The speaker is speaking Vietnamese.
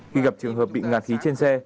khi gặp trường hợp bị ngàn khí trên xe